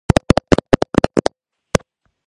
ეკლესიაში შესასვლელი დასავლეთიდანაა, კარი სწორკუთხაა.